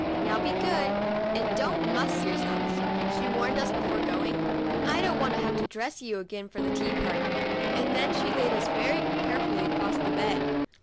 " Now be good and don't muss yourselves," she warned us before going; "I don't want to have to dress you again for the tea party." And then she laid us very carefully across the bed.